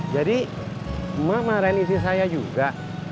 jadi emak marahin istri saya juga